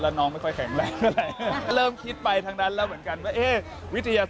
แล้วน้องไม่ค่อยแข็งแรงก็เลย